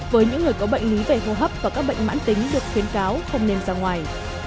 với những người có bệnh lý về hô hấp và các bệnh mãn tính được khuyến cáo không nên ra ngoài